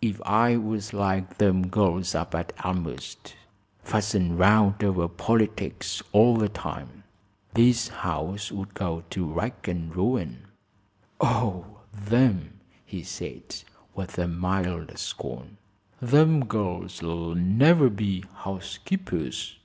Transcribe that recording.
"If I was like them girls up at Elmhurst, fussin' round over politics all the time, this house would go to rack an' ruin." "Oh, them!" he said, with mild scorn. "Them girls 'll never be housekeepers."